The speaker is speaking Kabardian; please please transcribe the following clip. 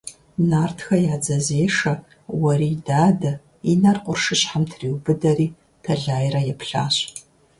Нартхэ я дзэзешэ Уэрий Дадэ и нэр къуршыщхьэм триубыдэри тэлайрэ еплъащ.